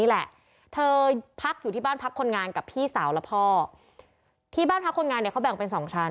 นี่แหละเธอพักอยู่ที่บ้านพักคนงานกับพี่สาวและพ่อที่บ้านพักคนงานเนี่ยเขาแบ่งเป็นสองชั้น